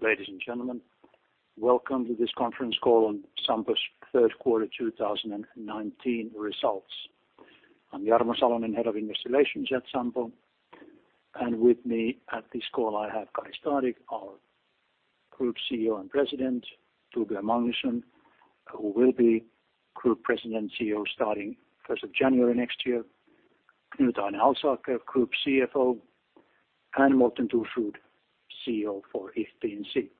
Ladies and gentlemen, welcome to this conference call on Sampo's third quarter 2019 results. I'm Jarmo Salonen, Head of Investor Relations at Sampo, and with me at this call, I have Kari Stadigh, our Group CEO and President, Torbjörn Magnusson, who will be Group President CEO starting 1st of January next year, Knut Arne Alsaker, Group CFO, and Morten Thorsrud, CEO for If P&C.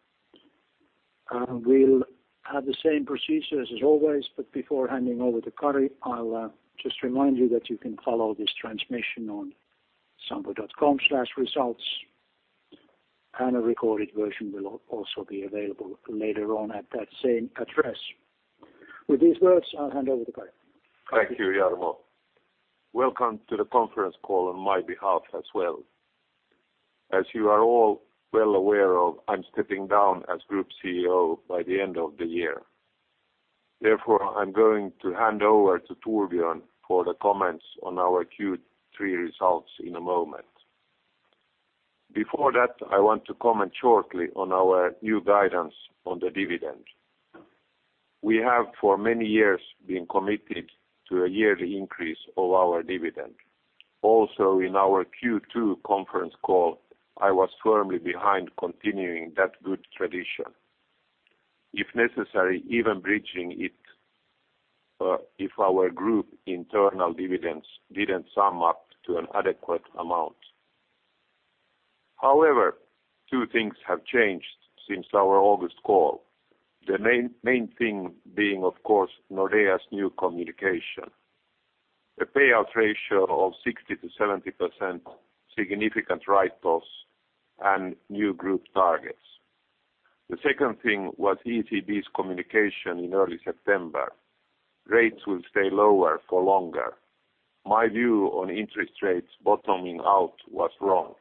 We'll have the same procedures as always, but before handing over to Kari, I'll just remind you that you can follow this transmission on sampo.com/results, and a recorded version will also be available later on at that same address. With these words, I'll hand over to Kari. Thank you, Jarmo. Welcome to the conference call on my behalf as well. As you are all well aware of, I'm stepping down as Group CEO by the end of the year. Therefore, I'm going to hand over to Torbjörn for the comments on our Q3 results in a moment. Before that, I want to comment shortly on our new guidance on the dividend. We have for many years been committed to a yearly increase of our dividend. In our Q2 conference call, I was firmly behind continuing that good tradition, if necessary, even bridging it, if our group internal dividends didn't sum up to an adequate amount. Two things have changed since our August call. The main thing being, of course, Nordea's new communication, a payout ratio of 60%-70%, significant write-offs, and new group targets. The second thing was ECB's communication in early September. Rates will stay lower for longer. My view on interest rates bottoming out was wrong.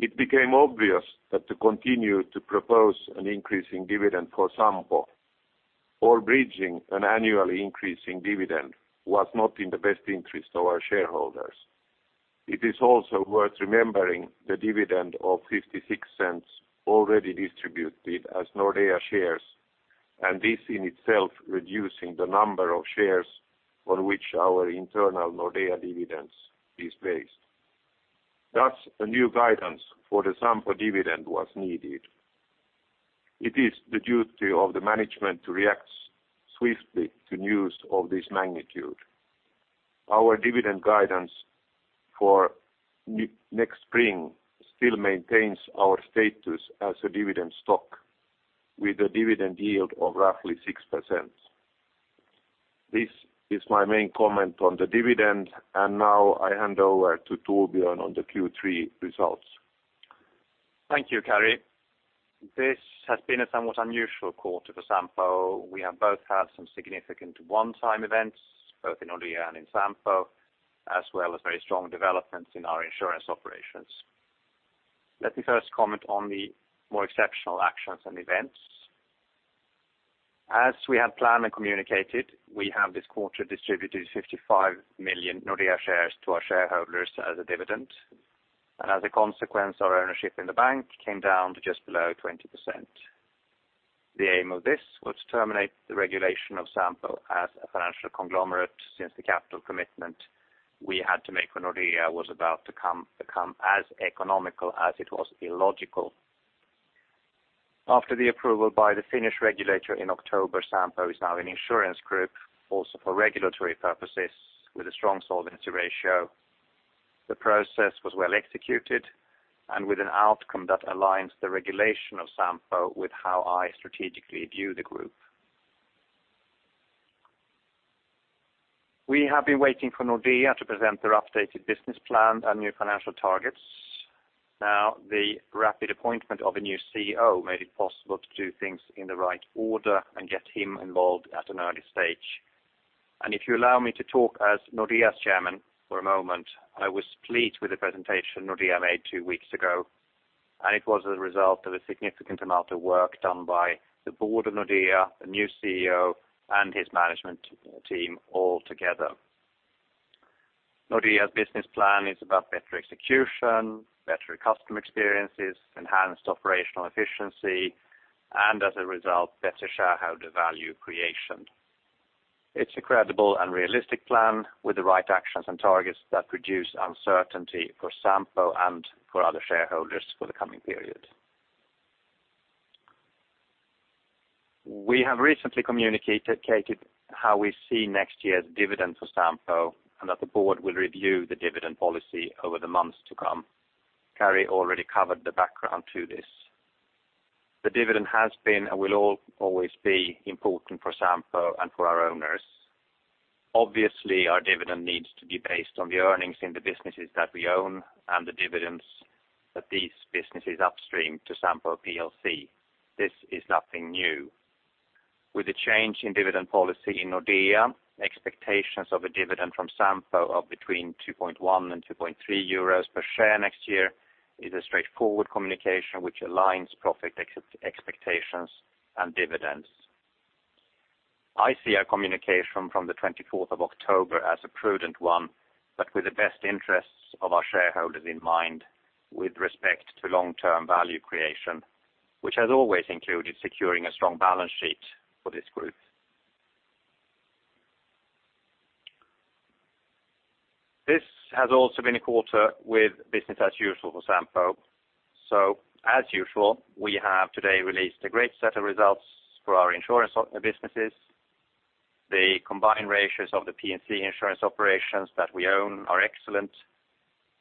It became obvious that to continue to propose an increase in dividend for Sampo or bridging an annual increase in dividend was not in the best interest of our shareholders. It is also worth remembering the dividend of 0.56 already distributed as Nordea shares, and this in itself reducing the number of shares on which our internal Nordea dividends is based. A new guidance for the Sampo dividend was needed. It is the duty of the management to react swiftly to news of this magnitude. Our dividend guidance for next spring still maintains our status as a dividend stock with a dividend yield of roughly 6%. This is my main comment on the dividend. Now I hand over to Torbjörn on the Q3 results. Thank you, Kari. This has been a somewhat unusual quarter for Sampo. We have both had some significant one-time events, both in Nordea and in Sampo, as well as very strong developments in our insurance operations. Let me first comment on the more exceptional actions and events. As we had planned and communicated, we have this quarter distributed 55 million Nordea shares to our shareholders as a dividend, and as a consequence, our ownership in the bank came down to just below 20%. The aim of this was to terminate the regulation of Sampo as a financial conglomerate, since the capital commitment we had to make when Nordea was about to come as uneconomical as it was illogical. After the approval by the Finnish regulator in October, Sampo is now an insurance group also for regulatory purposes with a strong solvency ratio. The process was well executed and with an outcome that aligns the regulation of Sampo with how I strategically view the group. We have been waiting for Nordea to present their updated business plan and new financial targets. The rapid appointment of a new CEO made it possible to do things in the right order and get him involved at an early stage. If you allow me to talk as Nordea's chairman for a moment, I was pleased with the presentation Nordea made two weeks ago. It was as a result of a significant amount of work done by the board of Nordea, the new CEO, and his management team altogether. Nordea's business plan is about better execution, better customer experiences, enhanced operational efficiency, and as a result, better shareholder value creation. It's a credible and realistic plan with the right actions and targets that reduce uncertainty for Sampo and for other shareholders for the coming period. We have recently communicated how we see next year's dividend for Sampo and that the board will review the dividend policy over the months to come. Kari already covered the background to this. The dividend has been and will always be important for Sampo and for our owners. Obviously, our dividend needs to be based on the earnings in the businesses that we own and the dividends that these businesses upstream to Sampo PLC. This is nothing new. With the change in dividend policy in Nordea, expectations of a dividend from Sampo of between 2.1 and 2.3 euros per share next year is a straightforward communication which aligns profit expectations and dividends. I see our communication from the 24th of October as a prudent one, but with the best interests of our shareholders in mind with respect to long-term value creation, which has always included securing a strong balance sheet for this group. This has also been a quarter with business as usual for Sampo. As usual, we have today released a great set of results for our insurance businesses. The combined ratios of the P&C insurance operations that we own are excellent.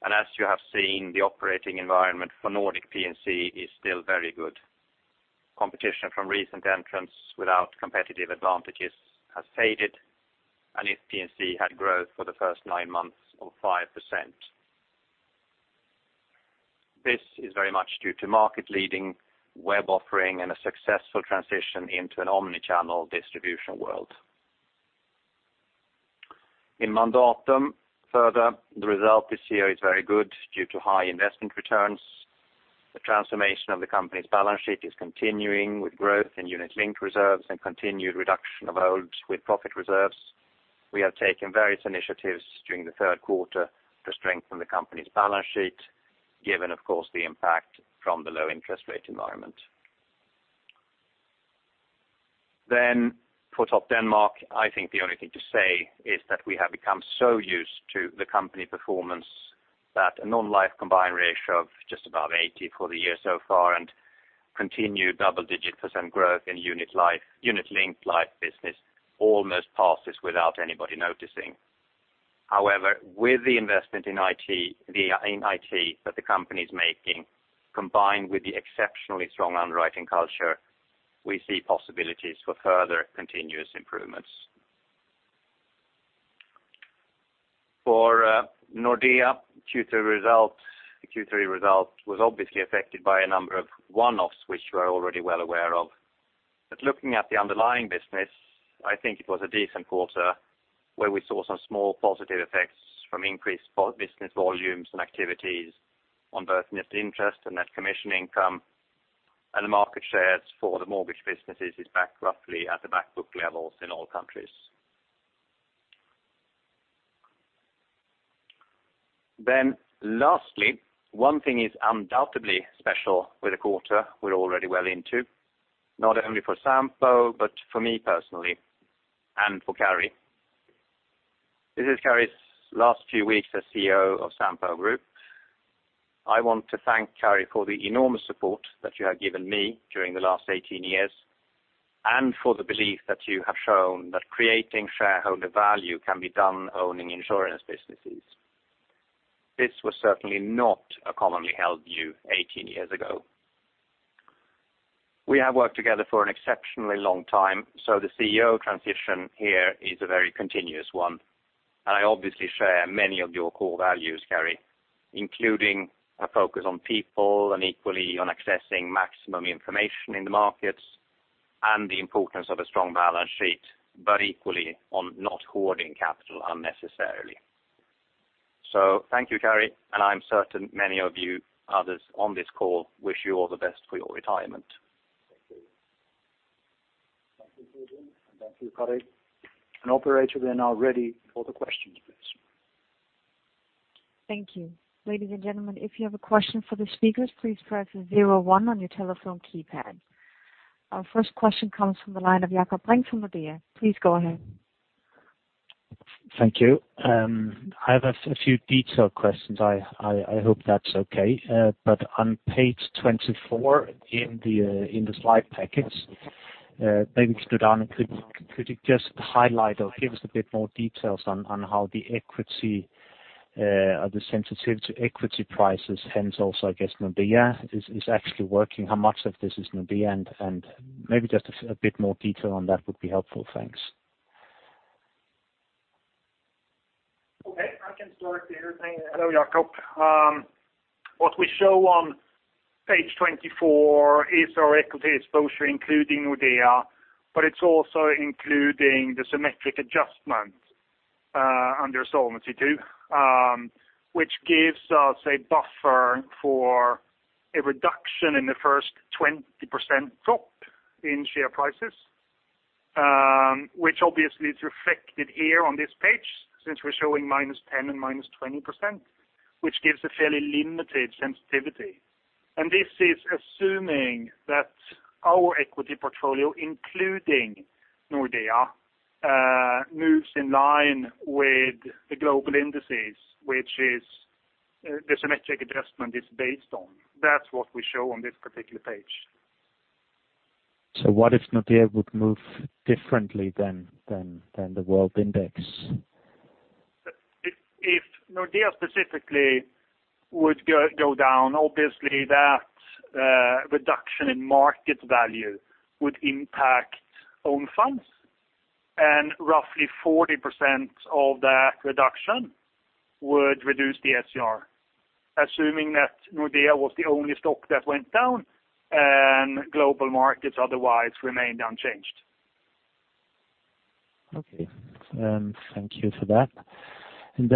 As you have seen, the operating environment for Nordic P&C is still very good. Competition from recent entrants without competitive advantages has faded, If P&C had growth for the first nine months of 5%. This is very much due to market-leading web offering and a successful transition into an omni-channel distribution world. In Mandatum, further, the result this year is very good due to high investment returns. The transformation of the company's balance sheet is continuing with growth in unit-linked reserves and continued reduction of old with profit reserves. We have taken various initiatives during the third quarter to strengthen the company's balance sheet, given, of course, the impact from the low interest rate environment. For Topdanmark, I think the only thing to say is that we have become so used to the company performance that a non-life combined ratio of just above 80 for the year so far and continued double-digit % growth in unit-linked life business almost passes without anybody noticing. With the investment in IT that the company's making, combined with the exceptionally strong underwriting culture, we see possibilities for further continuous improvements. Nordea Q3 result was obviously affected by a number of one-offs, which we're already well aware of. Looking at the underlying business, I think it was a decent quarter, where we saw some small positive effects from increased business volumes and activities on both net interest and net commission income, and the market shares for the mortgage businesses is back roughly at the back book levels in all countries. Lastly, one thing is undoubtedly special with the quarter we're already well into, not only for Sampo, but for me personally, and for Kari. This is Kari's last few weeks as CEO of Sampo Group. I want to thank Kari for the enormous support that you have given me during the last 18 years, and for the belief that you have shown that creating shareholder value can be done owning insurance businesses. This was certainly not a commonly held view 18 years ago. We have worked together for an exceptionally long time, so the CEO transition here is a very continuous one. I obviously share many of your core values, Kari, including a focus on people and equally on accessing maximum information in the markets and the importance of a strong balance sheet, but equally on not hoarding capital unnecessarily. Thank you, Kari, and I'm certain many of you others on this call wish you all the best for your retirement. Thank you. Thank you, Torbjörn, and thank you, Kari. Operator, we are now ready for the questions please. Thank you. Ladies and gentlemen, if you have a question for the speakers, please press 01 on your telephone keypad. Our first question comes from the line of Jakob Brink from Nordea. Please go ahead. Thank you. I have a few detailed questions. I hope that's okay. On page 24 in the slide packets, maybe Ståle, could you just highlight or give us a bit more details on how the sensitivity to equity prices, hence also, I guess Nordea is actually working, how much of this is Nordea, and maybe just a bit more detail on that would be helpful. Thanks. Okay. I can start the other thing. Hello, Jakob. What we show on page 24 is our equity exposure, including Nordea, but it's also including the symmetric adjustment under Solvency II, which gives us a buffer for a reduction in the first 20% drop in share prices, which obviously is reflected here on this page, since we're showing -10% and -20%, which gives a fairly limited sensitivity. This is assuming that our equity portfolio, including Nordea, moves in line with the global indices, which the symmetric adjustment is based on. That's what we show on this particular page. What if Nordea would move differently than the world index? If Nordea specifically would go down, obviously that reduction in market value would impact own funds. Roughly 40% of that reduction would reduce the SCR, assuming that Nordea was the only stock that went down and global markets otherwise remained unchanged. Okay. Thank you for that. It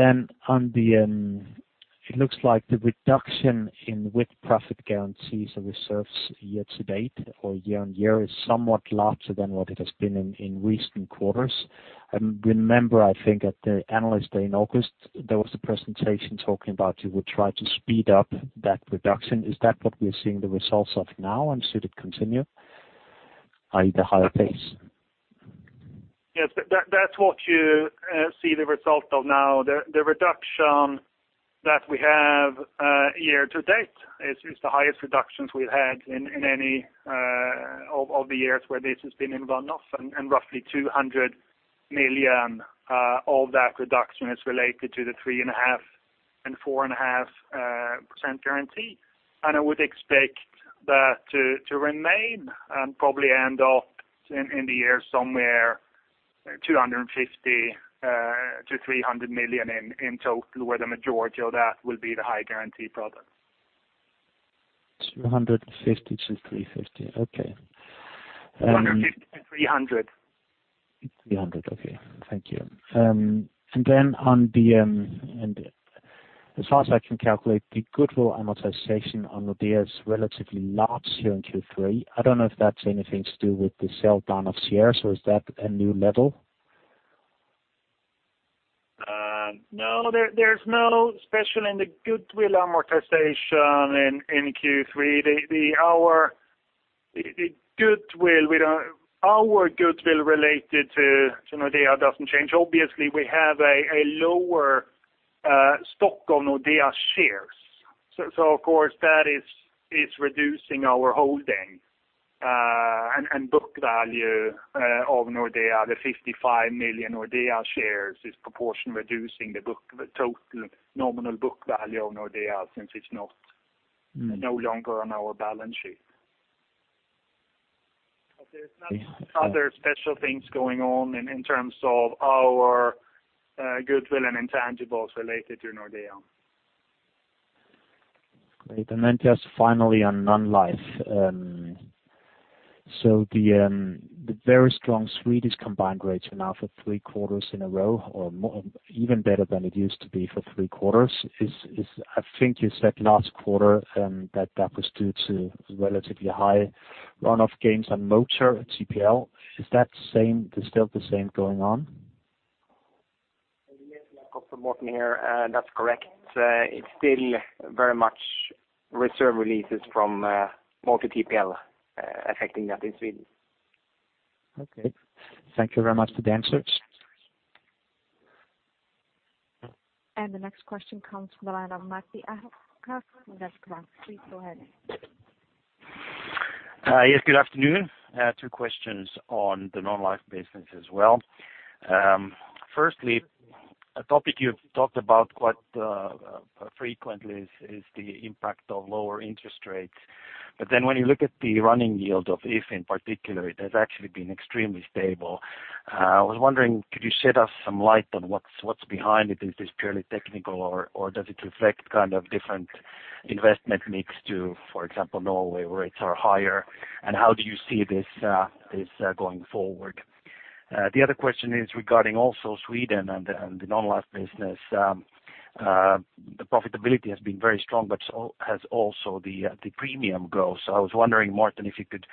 looks like the reduction in with profit guarantees and reserves year to date or year on year is somewhat larger than what it has been in recent quarters. Remember, I think at the Analyst Day in August, there was a presentation talking about you would try to speed up that reduction. Is that what we are seeing the results of now, and should it continue at a higher pace? Yes, that's what you see the result of now. The reduction that we have year to date is the highest reductions we've had in any of the years where this has been in run-off, and roughly 200 million of that reduction is related to the 3.5% and 4.5% guarantee. I would expect that to remain and probably end off in the year somewhere 250 million-300 million in total, where the majority of that will be the high guarantee product. 250 to EUR 350. Okay. 250-300. Okay. Thank you. As far as I can calculate, the goodwill amortization on Nordea is relatively large here in Q3. I don't know if that's anything to do with the sell down of shares, or is that a new level? No, there's no special in the goodwill amortization in Q3. Our goodwill related to Nordea doesn't change. Obviously, we have a lower stock on Nordea shares. Of course, that is reducing our holding and book value of Nordea. The 55 million Nordea shares is proportion reducing the total nominal book value of Nordea since it's no longer on our balance sheet. There's no other special things going on in terms of our goodwill and intangibles related to Nordea. Great. Just finally on non-life. The very strong Swedish combined ratio now for three quarters in a row, or even better than it used to be for three quarters, is I think you said last quarter, that that was due to relatively high run-off gains on motor TPL. Is that still the same going on? Yes, I'll confirm, Morten here. That's correct. It's still very much reserve releases from motor TPL affecting that in Sweden. Okay. Thank you very much for the answers. The next question comes from the line of Matti Ahokas, Nordea. Please go ahead. Yes, good afternoon. Two questions on the non-life business as well. A topic you've talked about quite frequently is the impact of lower interest rates. When you look at the running yield of If in particular, it has actually been extremely stable. I was wondering, could you shed us some light on what's behind it? Is this purely technical, or does it reflect different investment mix to, for example, Norway, where rates are higher? How do you see this going forward? The other question is regarding also Sweden and the non-life business. The profitability has been very strong, but has also the premium growth. I was wondering, Morten, if you could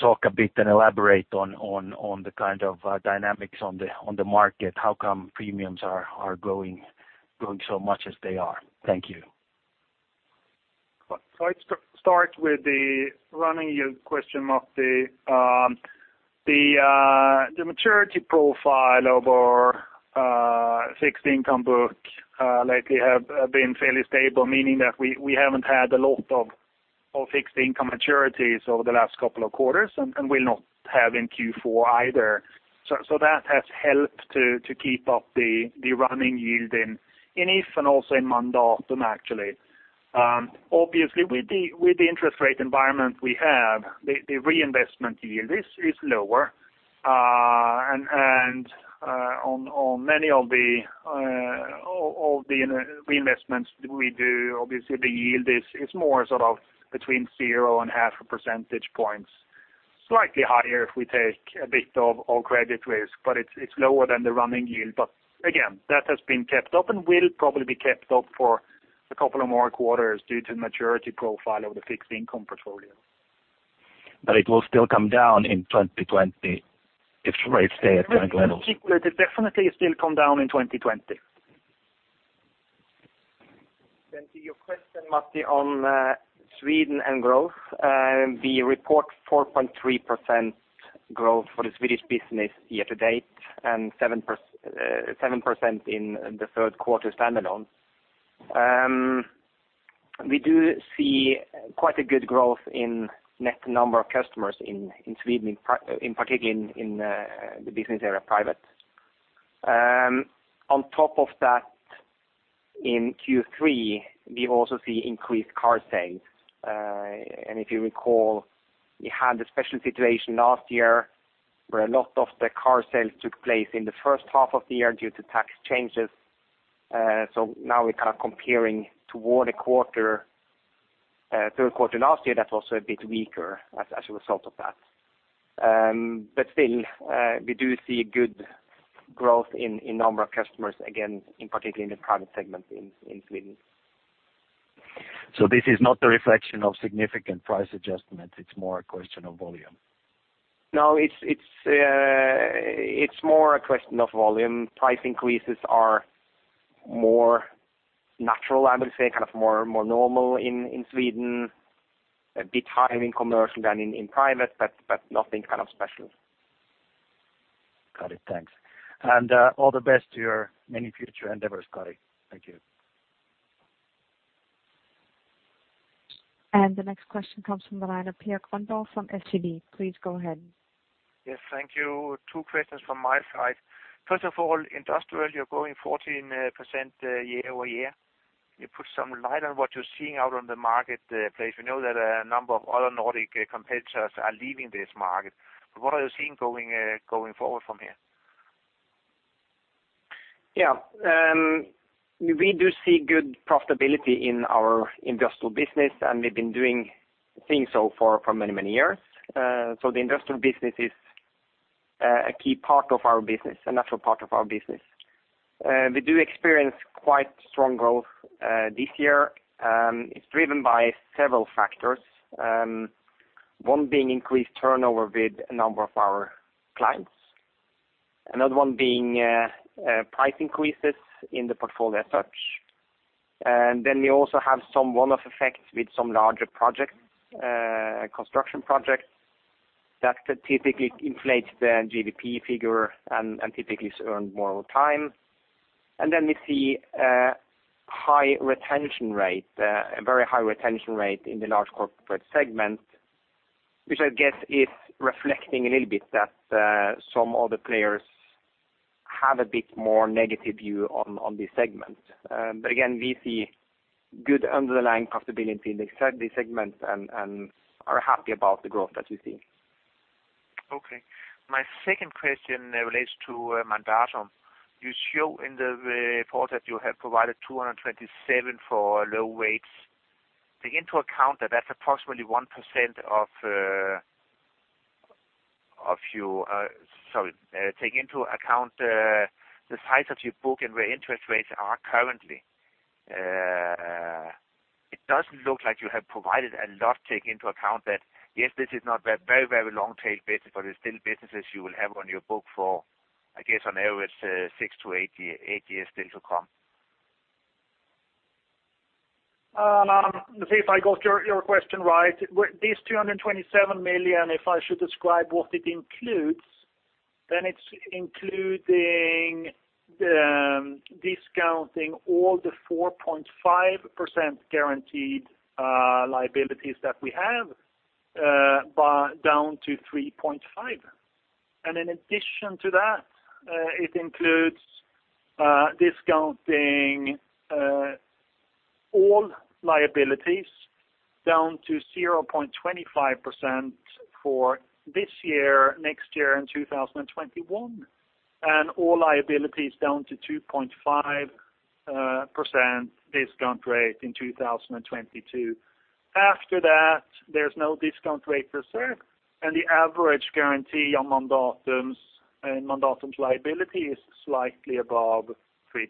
talk a bit and elaborate on the dynamics on the market, how come premiums are growing so much as they are? Thank you. I start with the running yield question, Matti. The maturity profile of our fixed income book lately have been fairly stable, meaning that we haven't had a lot of fixed income maturities over the last couple of quarters, and will not have in Q4 either. That has helped to keep up the running yield in If and also in Mandatum, actually. Obviously, with the interest rate environment we have, the reinvestment yield is lower. On many of the investments we do, obviously the yield is more between zero and half a percentage points. Slightly higher if we take a bit of all credit risk, but it's lower than the running yield. Again, that has been kept up and will probably be kept up for a couple of more quarters due to the maturity profile of the fixed income portfolio. It will still come down in 2020 if rates stay at current levels. It will definitely still come down in 2020. To your question, Matti, on Sweden and growth. We report 4.3% growth for the Swedish business year to date, and 7% in the third quarter standalone. We do see quite a good growth in net number of customers in Sweden, in particular in the business area private. On top of that, in Q3, we also see increased car sales. If you recall, we had a special situation last year where a lot of the car sales took place in the first half of the year due to tax changes. Now we are comparing toward a third quarter last year, that was also a bit weaker as a result of that. Still, we do see good growth in number of customers, again, in particular in the private segment in Sweden. This is not a reflection of significant price adjustments, it's more a question of volume? It's more a question of volume. Price increases are more natural, I would say, more normal in Sweden. A bit higher in commercial than in private, but nothing special. Got it. Thanks. All the best to your many future endeavors, Kari. Thank you. The next question comes from the line of Pierre Gundahl from SEB. Please go ahead. Yes, thank you. two questions from my side. First of all, industrial, you're growing 14% year-over-year. Can you put some light on what you're seeing out on the marketplace? We know that a number of other Nordic competitors are leaving this market. What are you seeing going forward from here? We do see good profitability in our industrial business, and we've been doing things so for many years. The industrial business is a key part of our business, a natural part of our business. We do experience quite strong growth this year. It's driven by several factors. One being increased turnover with a number of our clients. Another one being price increases in the portfolio as such. We also have some one-off effects with some larger construction projects that could typically inflate the GWP figure and typically earn more over time. We see a very high retention rate in the large corporate segment, which I guess is reflecting a little bit that some other players have a bit more negative view on this segment. Again, we see good underlying profitability in this segment and are happy about the growth that we see. Okay. My second question relates to Mandatum. You show in the report that you have provided 227 for low rates. Take into account the size of your book and where interest rates are currently. It doesn't look like you have provided a lot, take into account that, yes, this is not a very long tail business, but it's still businesses you will have on your book for, I guess, on average six to eight years still to come. If I got your question right, this 227 million, if I should describe what it includes, then it's including the discounting all the 4.5% guaranteed liabilities that we have down to 3.5%. In addition to that, it includes discounting all liabilities down to 0.25% for this year, next year, and 2021. All liabilities down to 2.5% discount rate in 2022. After that, there's no discount rate reserved, and the average guarantee on Mandatum's liability is slightly above 3%.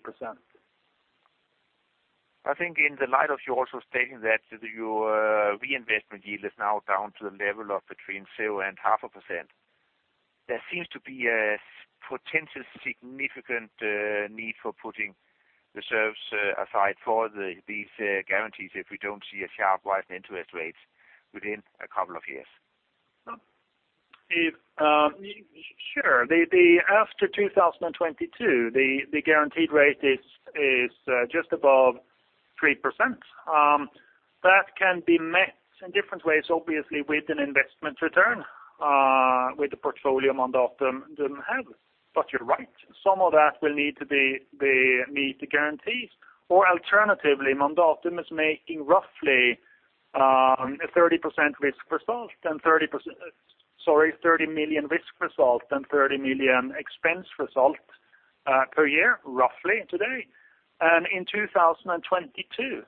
I think in the light of your also stating that your reinvestment yield is now down to the level of between zero and half a %. There seems to be a potential significant need for putting the reserves aside for these guarantees if we don't see a sharp rise in interest rates within a couple of years. Sure. After 2022, the guaranteed rate is just above 3%. That can be met in different ways, obviously, with an investment return, with the portfolio Mandatum doesn't have. You're right. Some of that will need to be meet the guarantees. Alternatively, Mandatum is making roughly 30 million risk result and 30 million expense result per year, roughly today. In 2022,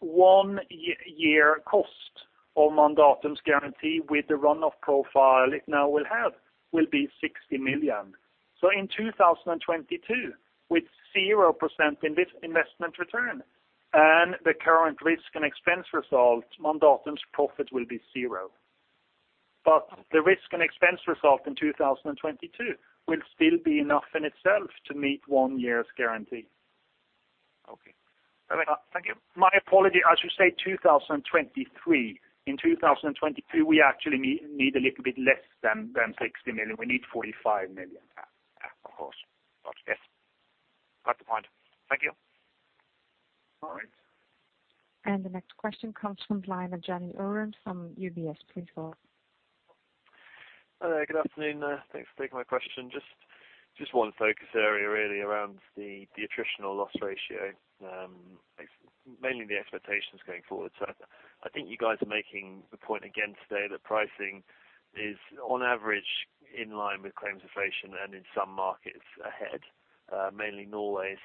one year cost of Mandatum's guarantee with the run-off profile it now will have, will be 60 million. In 2022, with 0% investment return and the current risk and expense result, Mandatum's profit will be zero. The risk and expense result in 2022 will still be enough in itself to meet one year's guarantee. Okay. Thank you. My apology. I should say 2023. In 2022, we actually need a little bit less than 60 million. We need 45 million. Of course. Got you. Got the point. Thank you. All right. The next question comes from the line of Jonny Urwin from UBS. Please go ahead. Hello, good afternoon. Thanks for taking my question. Just one focus area really around the attritional loss ratio. Mainly the expectations going forward. I think you guys are making the point again today that pricing is on average in line with claims inflation and in some markets ahead, mainly Norway.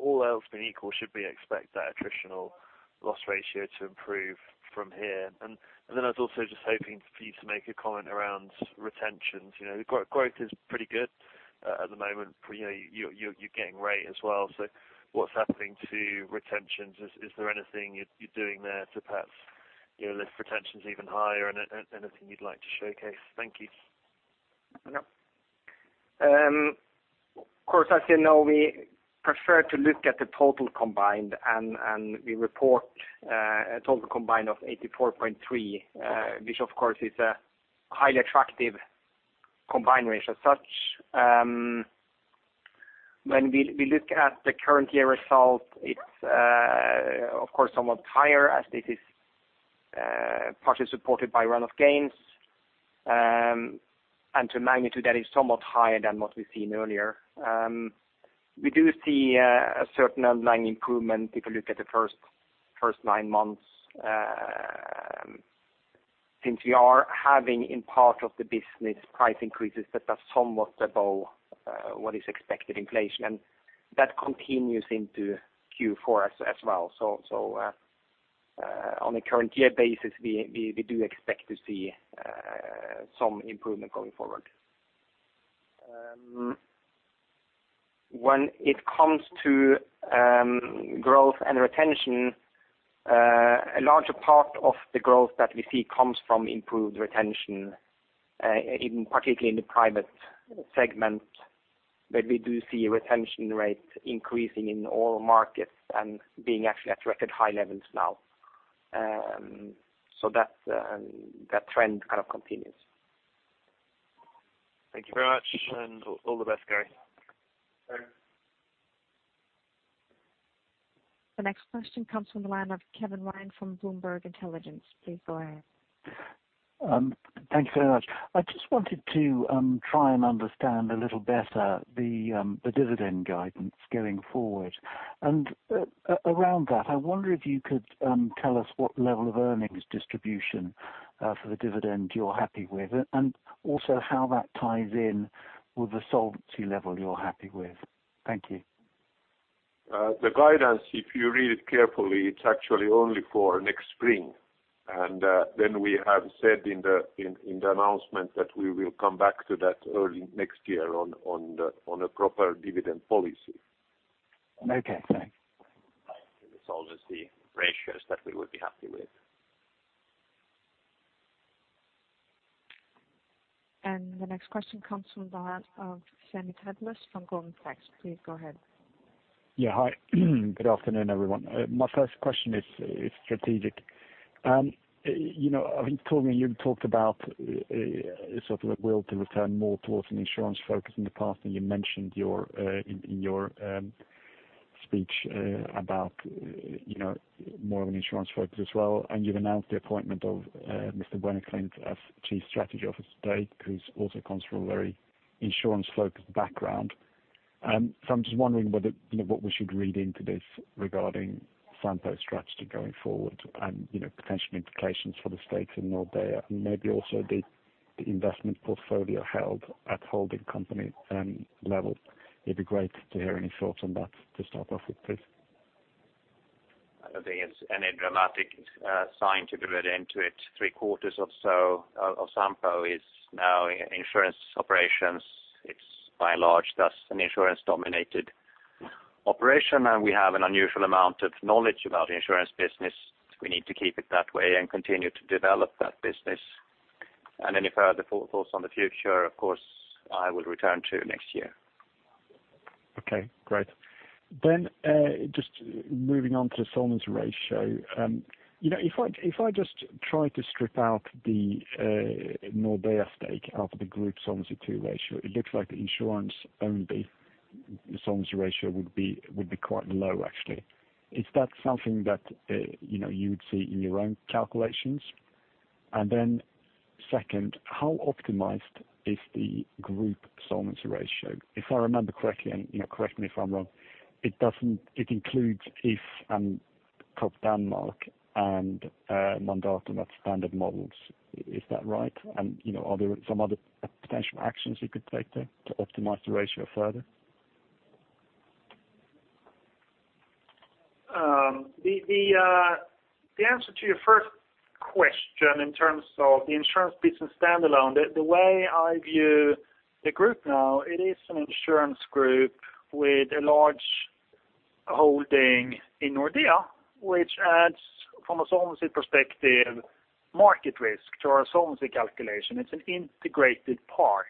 All else being equal, should we expect that attritional loss ratio to improve from here? I was also just hoping for you to make a comment around retentions. The growth is pretty good at the moment. You're getting rate as well. What's happening to retentions? Is there anything you're doing there to perhaps lift retentions even higher and anything you'd like to showcase? Thank you. No. Of course, as you know, we prefer to look at the total combined, and we report a total combined of 84.3, which of course is a highly attractive combined ratio as such. When we look at the current year result, it's of course, somewhat higher as this is partially supported by run-off gains, and to a magnitude that is somewhat higher than what we've seen earlier. We do see a certain underlying improvement if you look at the first nine months, since we are having, in part of the business, price increases that are somewhat above what is expected inflation, and that continues into Q4 as well. On a current year basis, we do expect to see some improvement going forward. When it comes to growth and retention, a larger part of the growth that we see comes from improved retention, in particularly in the private segment. We do see retention rate increasing in all markets and being actually at record high levels now. That trend kind of continues. Thank you very much, and all the best, guys. Thanks. The next question comes from the line of Kevin Ryan from Bloomberg Intelligence. Please go ahead. Thank you very much. I just wanted to try and understand a little better the dividend guidance going forward. Around that, I wonder if you could tell us what level of earnings distribution for the dividend you're happy with, and also how that ties in with the solvency level you're happy with. Thank you. The guidance, if you read it carefully, it's actually only for next spring. We have said in the announcement that we will come back to that early next year on a proper dividend policy. Okay, thanks. The solvency ratios that we would be happy with. The next question comes from the line of Sami Taipalus from Goldman Sachs. Please go ahead. Hi. Good afternoon, everyone. My first question is strategic. I think, Torbjörn, you talked about sort of a will to return more towards an insurance focus in the past, and you mentioned in your speech about more of an insurance focus as well, and you've announced the appointment of Mr. Ricard Wennerklint as Chief of Strategy today, who also comes from a very insurance-focused background. I'm just wondering what we should read into this regarding Sampo's strategy going forward and potential implications for the stakes in Nordea and maybe also the investment portfolio held at holding company level. It'd be great to hear any thoughts on that to start off with, please. I don't think there's any dramatic sign to read into it. Three-quarters or so of Sampo is now insurance operations. It's by and large, thus an insurance-dominated operation, and we have an unusual amount of knowledge about the insurance business. We need to keep it that way and continue to develop that business. Any further thoughts on the future, of course, I will return to next year. Okay, great. Just moving on to the solvency ratio. If I just try to strip out the Nordea stake out of the Group Solvency II ratio, it looks like the insurance-only solvency ratio would be quite low, actually. Is that something that you would see in your own calculations? Second, how optimized is the group solvency ratio? If I remember correctly, and correct me if I'm wrong, it includes If and Topdanmark and Mandatum at standard formula. Is that right? Are there some other potential actions you could take there to optimize the ratio further? The answer to your first question in terms of the insurance business standalone, the way I view the group now, it is an insurance group with a large holding in Nordea, which adds, from a solvency perspective, market risk to our solvency calculation. It's an integrated part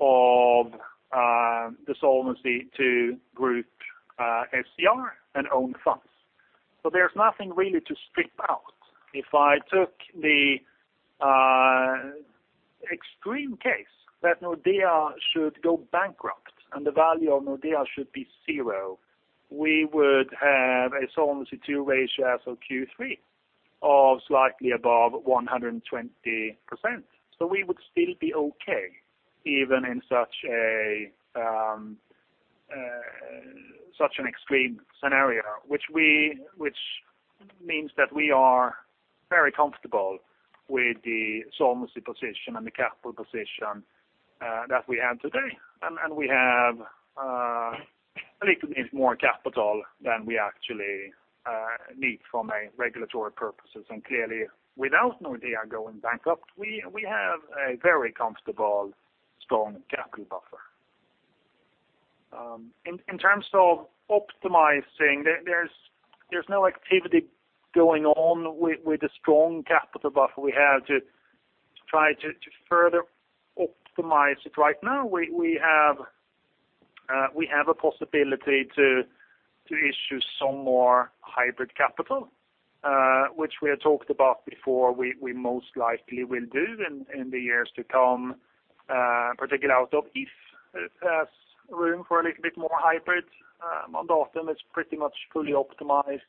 of the Solvency II group SCR and own funds. There's nothing really to strip out. If I took the extreme case that Nordea should go bankrupt and the value of Nordea should be zero, we would have a Solvency II ratio as of Q3 of slightly above 120%. We would still be okay. Such an extreme scenario, which means that we are very comfortable with the solvency position and the capital position that we have today. We have a little bit more capital than we actually need for regulatory purposes. Clearly, without Nordea going bankrupt, we have a very comfortable strong capital buffer. In terms of optimizing, there's no activity going on with the strong capital buffer. We have to try to further optimize it. Right now, we have a possibility to issue some more hybrid capital, which we had talked about before. We most likely will do in the years to come, particularly out of If has room for a little bit more hybrid. Mandatum is pretty much fully optimized.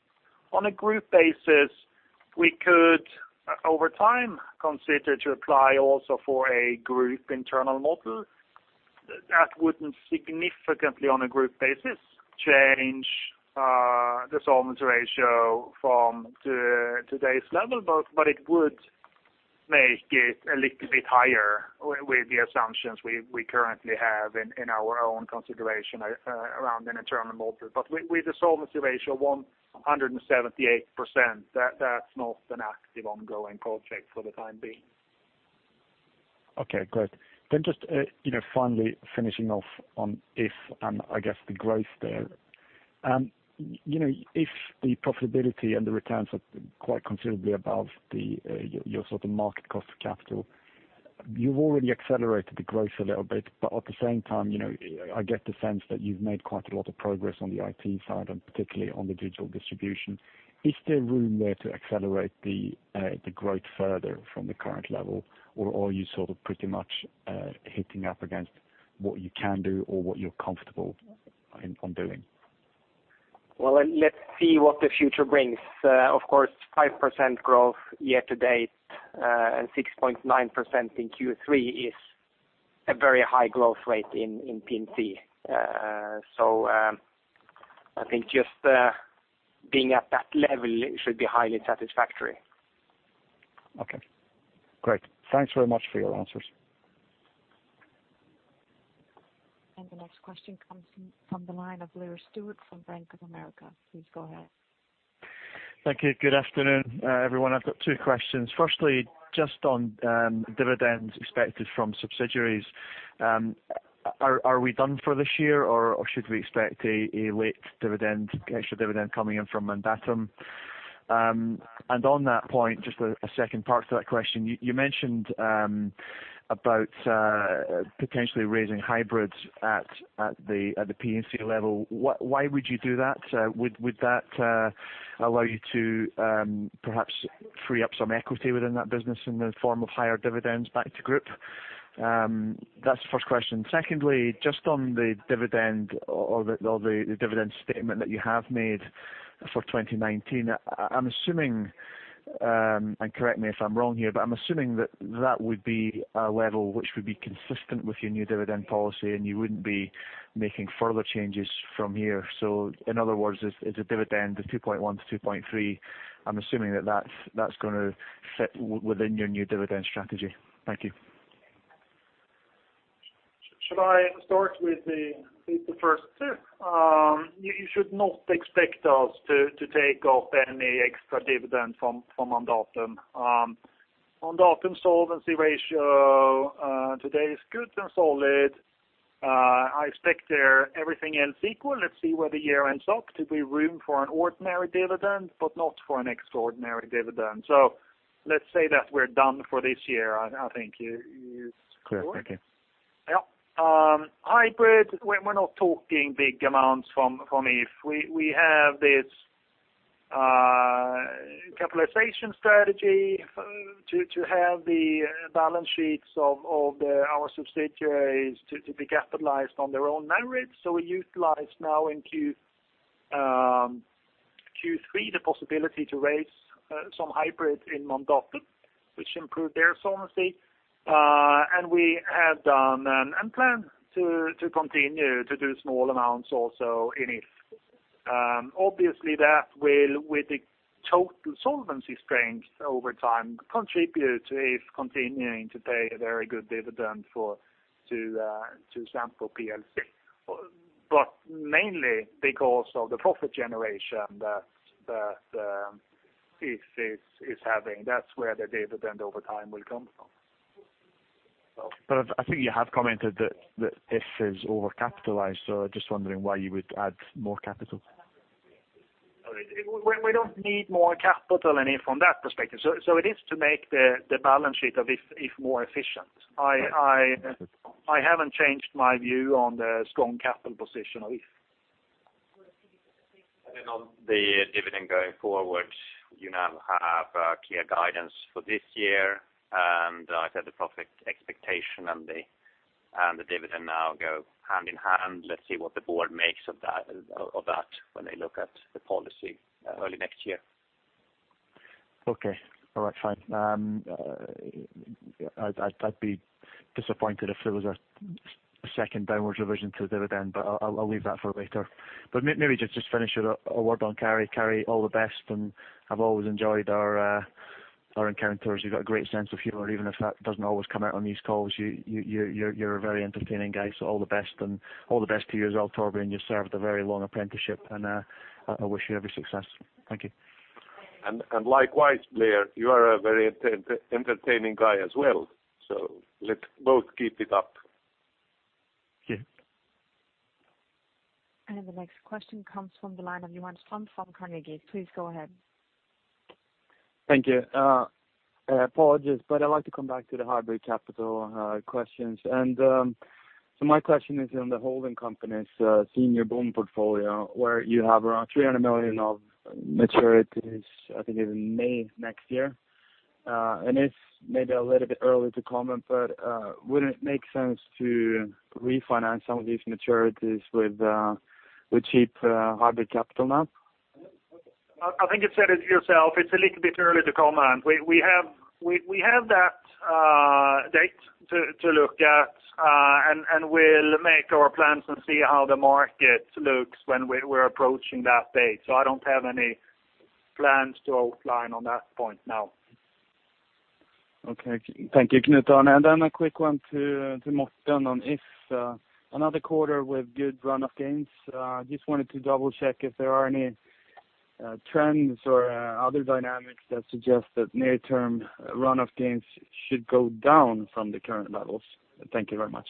On a group basis, we could, over time, consider to apply also for a group internal model. That wouldn't significantly, on a group basis, change the solvency ratio from today's level, but it would make it a little bit higher with the assumptions we currently have in our own consideration around an internal model. With a solvency ratio 178%, that's not an active ongoing project for the time being. Okay, great. Just finally finishing off on If and I guess the growth there. If the profitability and the returns are quite considerably above your market cost of capital, you've already accelerated the growth a little bit. At the same time, I get the sense that you've made quite a lot of progress on the IT side and particularly on the digital distribution. Is there room there to accelerate the growth further from the current level, or are you pretty much hitting up against what you can do or what you're comfortable on doing? Well, let's see what the future brings. Of course, 5% growth year to date and 6.9% in Q3 is a very high growth rate in P&C. I think just being at that level should be highly satisfactory. Okay. Great. Thanks very much for your answers. The next question comes from the line of Blair Stewart from Bank of America. Please go ahead. Thank you. Good afternoon, everyone. I've got two questions. Firstly, just on dividends expected from subsidiaries. Are we done for this year, or should we expect a late extra dividend coming in from Mandatum? On that point, just a second part to that question. You mentioned about potentially raising hybrids at the P&C level. Why would you do that? Would that allow you to perhaps free up some equity within that business in the form of higher dividends back to group? That's the first question. Secondly, just on the dividend or the dividend statement that you have made for 2019. Correct me if I'm wrong here, but I'm assuming that that would be a level which would be consistent with your new dividend policy, and you wouldn't be making further changes from here. In other words, it's a dividend of 2.1-2.3. I'm assuming that's going to fit within your new dividend strategy. Thank you. Should I start with the first two? You should not expect us to take off any extra dividend from Mandatum. Mandatum solvency ratio today is good and solid. I expect everything else equal. Let's see where the year ends up to be room for an ordinary dividend, but not for an extraordinary dividend. Let's say that we're done for this year, I think. Clear. Thank you. Hybrid, we're not talking big amounts from If. We have this capitalization strategy to have the balance sheets of our subsidiaries to be capitalized on their own merits. We utilize now in Q3 the possibility to raise some hybrid in Mandatum, which improved their solvency. We have done and plan to continue to do small amounts also in If. That will, with the total solvency strength over time, contribute to If continuing to pay a very good dividend to Sampo plc. Mainly because of the profit generation that If is having. I think you have commented that If is overcapitalized, so just wondering why you would add more capital? We don't need more capital in it from that perspective. It is to make the balance sheet of If more efficient. I haven't changed my view on the strong capital position of If. On the dividend going forward, you now have clear guidance for this year, I said the profit expectation and the dividend now go hand in hand. Let's see what the board makes of that when they look at the policy early next year. Okay. All right, fine. I'd be disappointed if there was a second downwards revision to the dividend. I'll leave that for later. Maybe just finish with a word on Kari. Kari, all the best. I've always enjoyed our encounters. You've got a great sense of humor, even if that doesn't always come out on these calls. You're a very entertaining guy. All the best. All the best to you as well, Torbjörn. You served a very long apprenticeship. I wish you every success. Thank you. Likewise, Blair, you are a very entertaining guy as well, so let's both keep it up. Yeah. The next question comes from the line of Johan Ström from Carnegie. Please go ahead. Thank you. Apologies, but I'd like to come back to the hybrid capital questions. My question is on the holding company's senior bond portfolio, where you have around 300 million of maturities, I think in May next year. It's maybe a little bit early to comment, but would it make sense to refinance some of these maturities with cheap hybrid capital now? I think you said it yourself. It's a little bit early to comment. We have that date to look at, and we'll make our plans and see how the market looks when we're approaching that date. I don't have any plans to outline on that point now. Okay. Thank you, Knut. Then a quick one to Morten on If P&C another quarter with good run-off gains. Just wanted to double-check if there are any trends or other dynamics that suggest that near-term run-off gains should go down from the current levels. Thank you very much.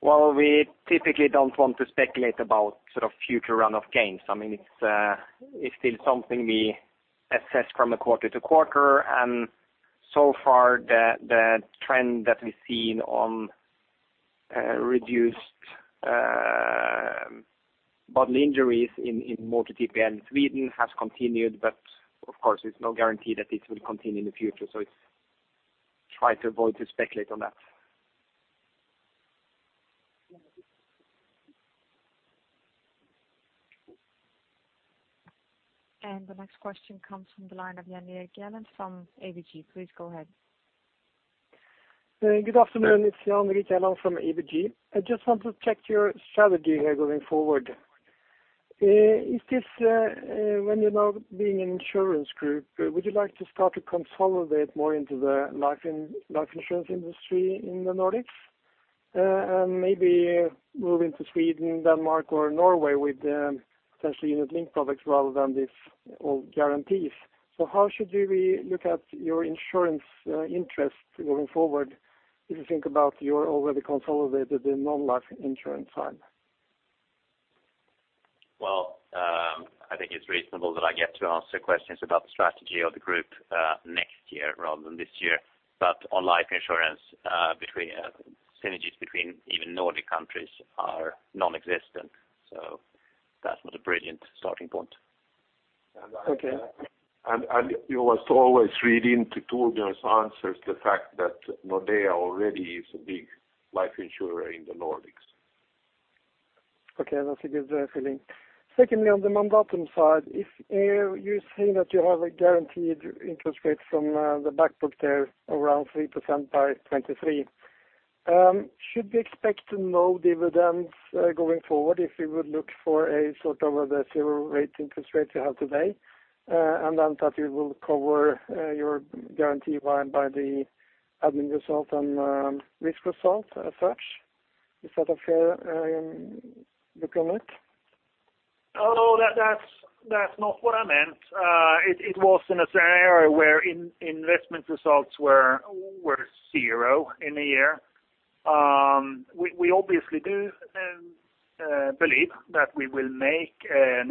Well, we typically don't want to speculate about future run-off gains. It's still something we assess from quarter to quarter. So far, the trend that we've seen on reduced bodily injuries in motor TP in Sweden has continued. Of course, it's no guarantee that it will continue in the future, try to avoid to speculate on that. The next question comes from the line of Jan Erik Gjerland from ABG. Please go ahead. Good afternoon. It's Jan-Erik Gjerland from ABG. I just want to check your strategy here going forward. When you're now being an insurance group, would you like to start to consolidate more into the life insurance industry in the Nordics? Maybe move into Sweden, Denmark, or Norway with potentially unit-linked products rather than these old guarantees. How should we look at your insurance interest going forward if you think about you're already consolidated in non-life insurance side? Well, I think it's reasonable that I get to answer questions about the strategy of the group next year rather than this year. On life insurance, synergies between even Nordic countries are non-existent. That's not a brilliant starting point. Okay. You must always read into Torbjörn's answers the fact that Nordea already is a big life insurer in the Nordics. That's a good feeling. Secondly, on the Mandatum side, if you say that you have a guaranteed interest rate from the back book there around 3% by 2023, should we expect no dividends going forward if we would look for a sort of the zero rate interest rate you have today? That you will cover your guarantee by the admin result and risk result as such? Is that a fair look on it? No, that's not what I meant. It was in a scenario where investment results were zero in a year. We obviously do believe that we will make a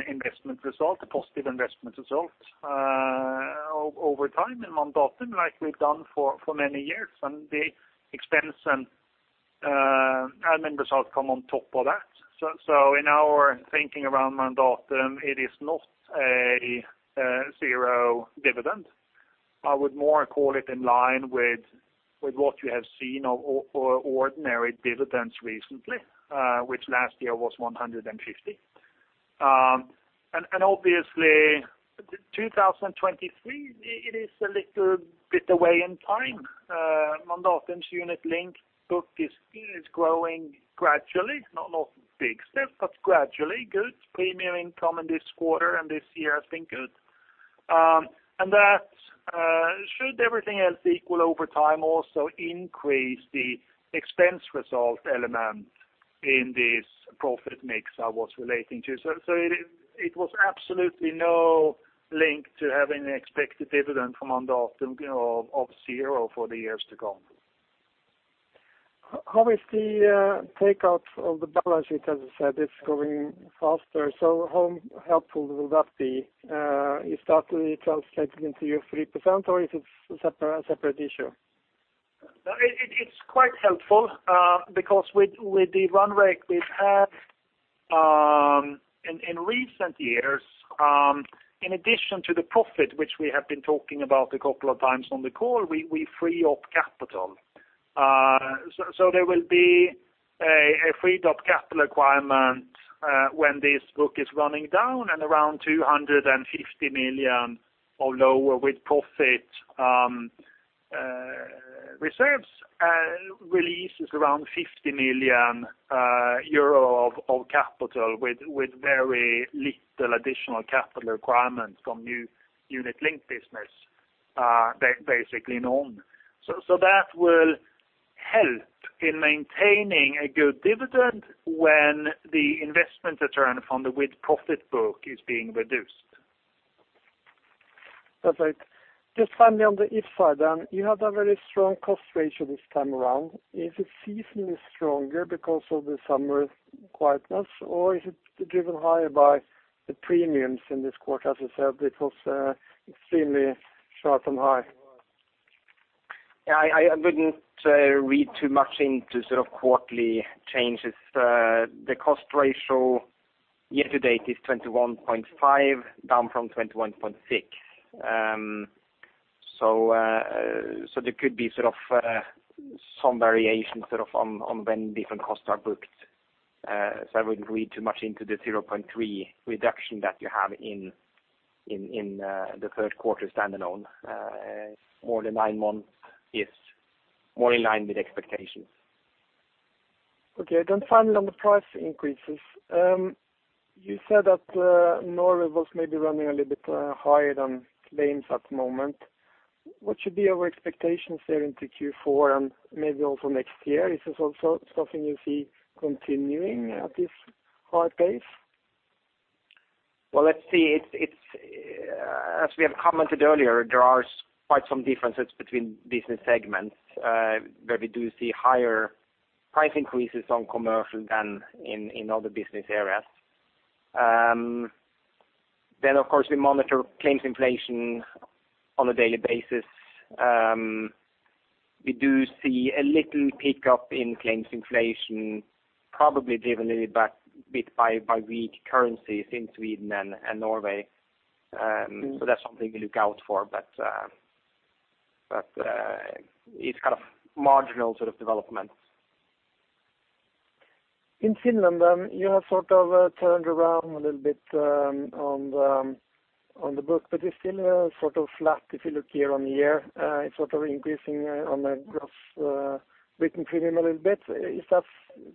positive investment result over time in Mandatum like we've done for many years, and the expense and admin results come on top of that. In our thinking around Mandatum, it is not a zero dividend. I would more call it in line with what you have seen of ordinary dividends recently, which last year was 150. Obviously 2023, it is a little bit away in time. Mandatum's unit link book is growing gradually, not big steps, but gradually good. Premium income in this quarter and this year has been good. That should everything else equal over time also increase the expense result element in this profit mix I was relating to. It was absolutely no link to having expected dividend from Mandatum of zero for the years to come. How is the takeout of the balance sheet, as you said, it's growing faster, so how helpful will that be? It starts to translate into your 3%, or is it a separate issue? It's quite helpful because with the run rate we've had in recent years, in addition to the profit which we have been talking about a couple of times on the call, we free up capital. There will be a freed-up capital requirement when this book is running down and around 250 million of lower with-profit reserves release is around 50 million euro of capital with very little additional capital requirements from new unit-linked business. They're basically none. That will help in maintaining a good dividend when the investment return from the with-profit book is being reduced. That's right. Just finally, on the If side, you had a very strong cost ratio this time around. Is it seasonally stronger because of the summer quietness, or is it driven higher by the premiums in this quarter? As you said, it was extremely short and high. Yeah, I wouldn't read too much into sort of quarterly changes. The cost ratio year to date is 21.5, down from 21.6. There could be some variation on when different costs are booked. I wouldn't read too much into the 0.3 reduction that you have in the third quarter standalone. More than nine months is more in line with expectations. Okay. Finally, on the price increases. You said that Norway was maybe running a little bit higher than claims at the moment. What should be our expectations there into Q4 and maybe also next year? Is this also something you see continuing at this hard pace? Let's see. As we have commented earlier, there are quite some differences between business segments, where we do see higher price increases on commercial than in other business areas. Of course, we monitor claims inflation on a daily basis. We do see a little pickup in claims inflation, probably driven a little bit by weak currencies in Sweden and Norway. That's something we look out for, but it's kind of marginal development. In Finland, you have sort of turned around a little bit on the book, but you're still sort of flat if you look year-on-year. It's sort of increasing on the Gross Written Premium a little bit. Is that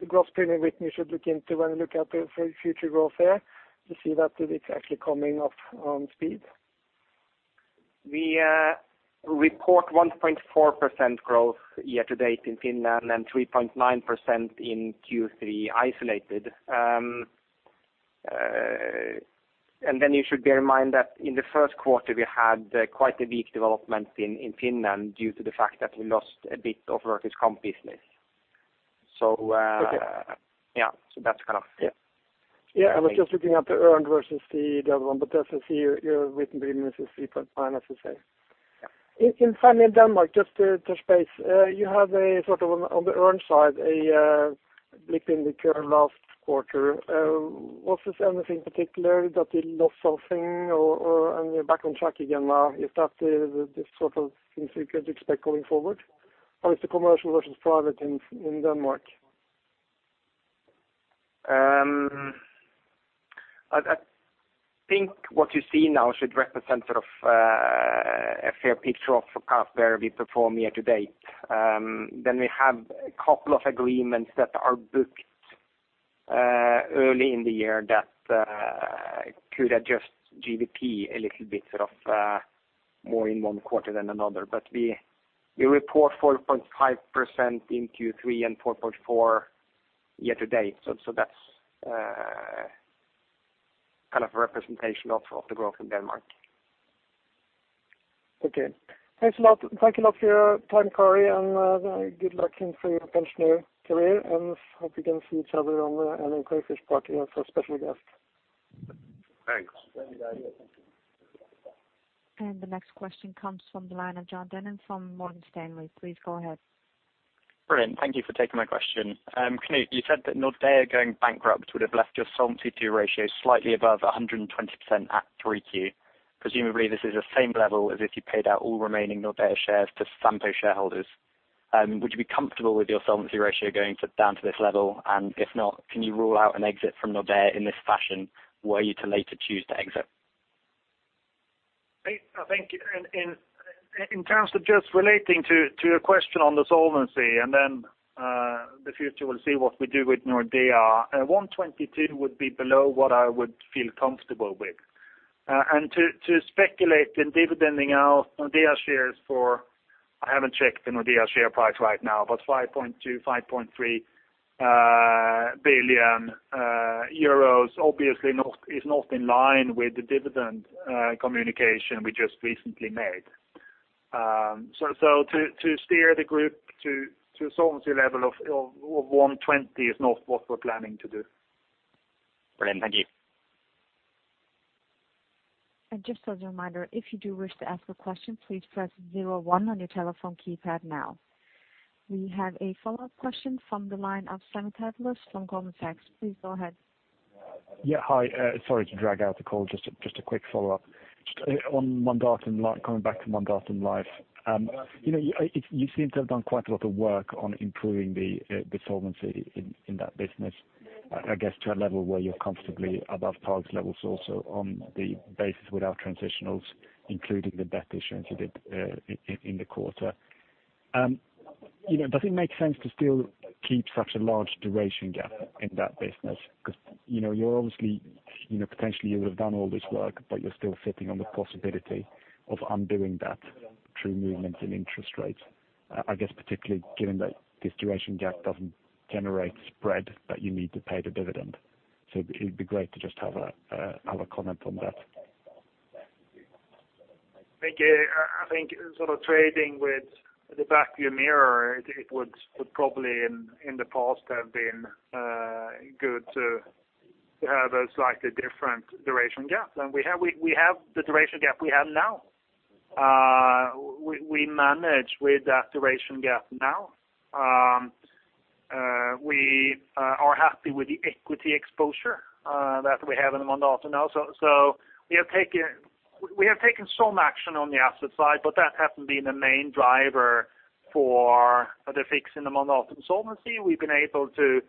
the Gross Premium Written you should look into when you look at the future growth there? You see that it's actually coming up on speed. We report 1.4% growth year to date in Finland and 3.9% in Q3 isolated. You should bear in mind that in the first quarter, we had quite a weak development in Finland due to the fact that we lost a bit of workers' comp business. Okay. Yeah. Yeah. I was just looking at the earned versus the other one, but as I see, your written premium is EUR 3.9, as you say. Yeah. In Denmark, just to touch base, you have on the earned side, a blip in the curve last quarter. Was this anything particular that you lost something and you're back on track again now? Is that the sort of things we could expect going forward? Is the commercial versus private in Denmark? I think what you see now should represent a fair picture of how well we performed year to date. We have a couple of agreements that are booked early in the year that could adjust GWP a little bit more in one quarter than another. We report 4.5% in Q3 and 4.4% year to date. That's a representation of the growth in Denmark. Okay. Thanks a lot for your time, Kari, and good luck for your pension career, and hope we can see each other on the annual crayfish party as our special guest. Thanks. The next question comes from the line of John Dinan from Morgan Stanley. Please go ahead. Brilliant. Thank you for taking my question. Knut, you said that Nordea going bankrupt would have left your Solvency II ratio slightly above 120% at 3Q. Presumably, this is the same level as if you paid out all remaining Nordea shares to Sampo shareholders. Would you be comfortable with your solvency ratio going down to this level? If not, can you rule out an exit from Nordea in this fashion, were you to later choose to exit? I think in terms of just relating to your question on the solvency and then the future, we'll see what we do with Nordea. 122 would be below what I would feel comfortable with. To speculate in dividending out Nordea shares for, I haven't checked the Nordea share price right now, but 5.2 billion, 5.3 billion euros obviously is not in line with the dividend communication we just recently made. To steer the group to a solvency level of 120 is not what we're planning to do. Brilliant. Thank you. Just as a reminder, if you do wish to ask a question, please press 01 on your telephone keypad now. We have a follow-up question from the line of Sami Taipalus from Goldman Sachs. Please go ahead. Yeah. Hi. Sorry to drag out the call, just a quick follow-up. Coming back to Mandatum Life. You seem to have done quite a lot of work on improving the solvency in that business, I guess, to a level where you're comfortably above targets levels also on the basis without transitionals, including the best issuance you did in the quarter. Does it make sense to still keep such a large duration gap in that business? Potentially you would have done all this work, but you're still sitting on the possibility of undoing that through movement in interest rates. I guess, particularly given that this duration gap doesn't generate spread that you need to pay the dividend. It'd be great to just have a comment on that. I think sort of trading with the back of your mirror, it would probably in the past have been good to have a slightly different duration gap. We have the duration gap we have now. We manage with that duration gap now. We are happy with the equity exposure that we have in the Mandatum now. We have taken some action on the asset side, but that hasn't been the main driver for the fix in the Mandatum solvency. We've been able to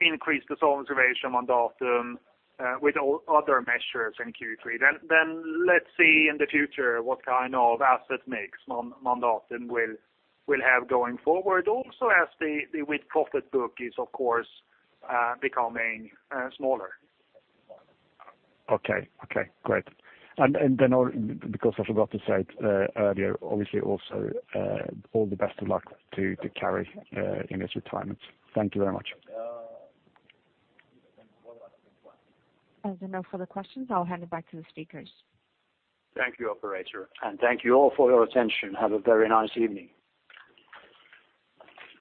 increase the solvency ratio of Mandatum with other measures in Q3. Let's see in the future what kind of asset mix Mandatum will have going forward also as the with profit book is of course becoming smaller. Okay, great. Because I forgot to say it earlier, obviously also all the best of luck to Kari in his retirement. Thank you very much. As there are no further questions, I'll hand it back to the speakers. Thank you, operator, and thank you all for your attention. Have a very nice evening.